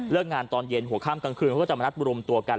งานตอนเย็นหัวข้ามกลางคืนเขาก็จะมานัดบรมตัวกัน